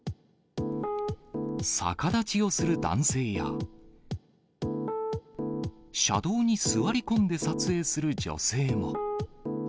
逆立ちをする男性や、車道に座り込んで撮影する女性も。